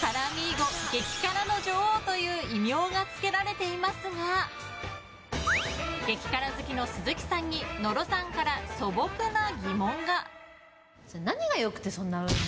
ゴ、激辛の女王という異名がつけられていますが激辛好きの鈴木さんに野呂さんから素朴な疑問が。